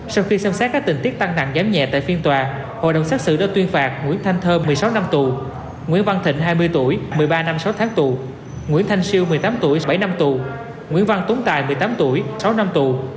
sau khi xem xét các tình tiết tăng nặng giảm nhẹ tại phiên tòa hội đồng xét xử đã tuyên phạt nguyễn thanh thơm một mươi sáu năm tù nguyễn văn thịnh hai mươi tuổi một mươi ba năm sáu tháng tù nguyễn thanh siêu một mươi tám tuổi bảy năm tù nguyễn văn tuấn tài một mươi tám tuổi sáu năm tù